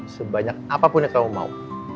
sebanyak apapun yang kamu mau